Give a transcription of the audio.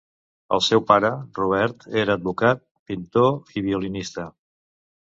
El seu pare, Robert, era advocat, pintor i violinista.